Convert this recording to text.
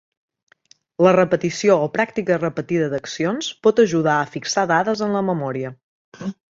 La repetició o pràctica repetida d'accions pot ajudar a fixar dades en la memòria.